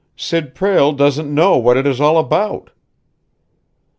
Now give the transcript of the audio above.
"Sid Prale doesn't know what it is all about!"